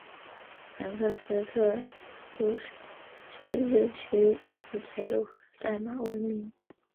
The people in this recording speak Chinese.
唐克斯特都市自治市以铁路和赛马闻名。